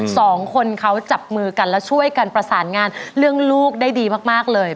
สองคนเขาจับมือกันและช่วยกันประสานงานเรื่องลูกได้ดีมากเลย